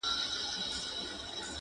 ته مجرم یې ګناکاره یې هر چاته,